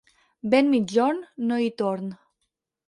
Vent migjorn, no hi torn.